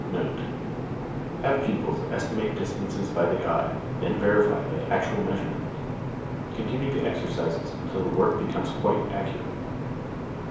NOTE. Have pupils estimate distances by the eye, then verify by actual measurement. Continue the exercises until the work becomes quite accurate.